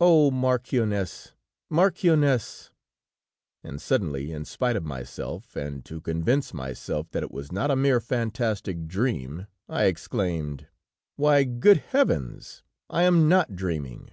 Oh, marchioness! marchioness! And suddenly in spite of myself and to convince myself that it was not a mere fantastic dream, I exclaimed: "'Why, good heavens! I am not dreaming!'